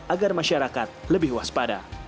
agar masyarakat lebih waspada